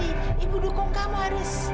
ibu dukung kamu haris